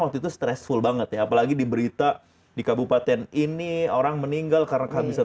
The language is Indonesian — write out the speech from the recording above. waktu itu stressful banget ya apalagi diberita di kabupaten ini orang meninggal karena kehabisan